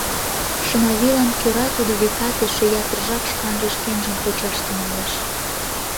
Шымавийлан кӧра тудо, векат, эше ятыр жап шканже шкенжым почаш тӱҥалеш.